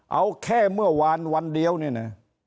เอาแค่เมื่อวานวันเดียวเนี่ยนะ